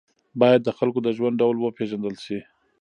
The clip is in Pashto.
باید د خلکو د ژوند ډول وپېژندل سي.